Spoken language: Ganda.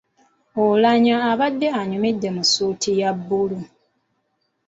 Oulanyah abadde anyumidde mu ssuuti ya bbulu.